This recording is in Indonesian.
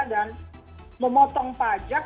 dan memotong pajak